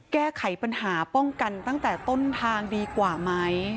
แก้ไขปัญหาป้องกันตั้งแต่ต้นทางดีกว่าไหม